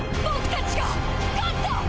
僕たちが勝った！！